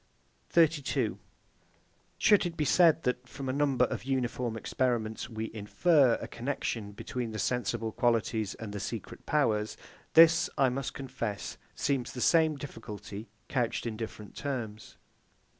32. Should it be said that, from a number of uniform experiments, we infer a connexion between the sensible qualities and the secret powers; this, I must confess, seems the same difficulty, couched in different terms.